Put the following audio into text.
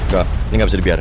gak ini gak bisa dibiarin